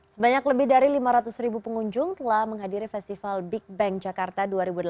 sebanyak lebih dari lima ratus ribu pengunjung telah menghadiri festival big bang jakarta dua ribu delapan belas